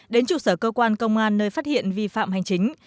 đến trụ sở cơ quan công an nơi phát hiện vi phạm hành chính